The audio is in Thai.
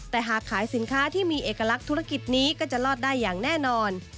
แต่หากขายสินค้าที่มีเอกลักษณ์ธุรกิจนี้ก็จะรอดได้อย่างแน่นอน